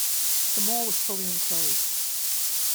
The mall was fully enclosed.